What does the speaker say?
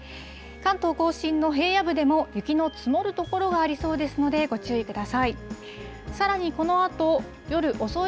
関東甲信の平野部でも、雪の積もる所がありそうですので、ご注意ください。